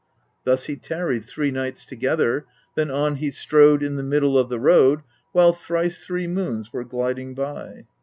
16. Thus he tarried three nights together, then on he strode in the middle of the road while thrice three moons were gliding by.